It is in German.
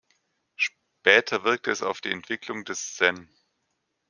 Später wirkte es auf die Entwicklung des Zen.